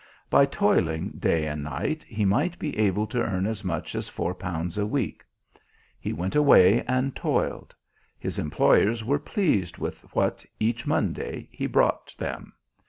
By toiling day and night he might be able to earn as much as £4 a week. He went away and toiled. His employers were pleased with what, each Monday, he brought them.